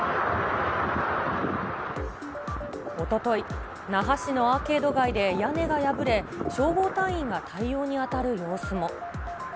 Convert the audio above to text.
おととい、那覇市のアーケード街で屋根が破れ、消防隊員が対応に当たる様子も。